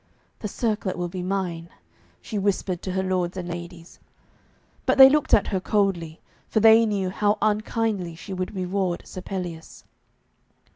'The circlet will be mine,' she whispered to her lords and ladies. But they looked at her coldly, for they knew how unkindly she would reward Sir Pelleas.